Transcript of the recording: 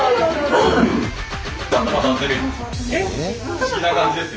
不思議な感じですよ。